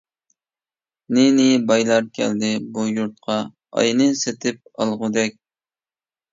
نى-نى بايلار كەلدى بۇ يۇرتقا، ئاينى سېتىپ ئالغۇدەك.